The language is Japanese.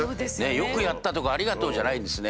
「よくやった」とか「ありがとう」じゃないんですね。